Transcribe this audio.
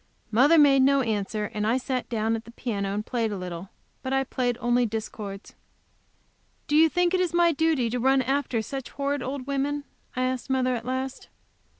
Mother made no answer, and I sat down at the piano, and played a little. But I only played discords. "Do you think it is my duty to run after such horrid old women?" I asked mother, at last.